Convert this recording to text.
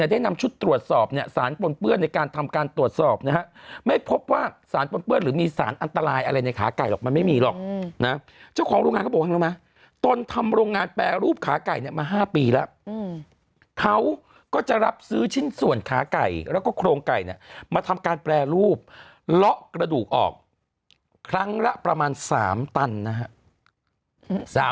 ได้นำชุดตรวจสอบเนี่ยสารปนเปื้อนในการทำการตรวจสอบนะฮะไม่พบว่าสารปนเปื้อนหรือมีสารอันตรายอะไรในขาไก่หรอกมันไม่มีหรอกนะเจ้าของโรงงานเขาบอกว่ารู้ไหมตนทำโรงงานแปรรูปขาไก่เนี่ยมา๕ปีแล้วเขาก็จะรับซื้อชิ้นส่วนขาไก่แล้วก็โครงไก่เนี่ยมาทำการแปรรูปเลาะกระดูกออกครั้งละประมาณ๓ตันนะฮะ